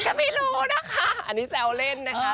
ก็ไม่รู้นะคะอันนี้แซวเล่นนะคะ